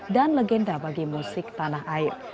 dan legenda bagi musik tanah air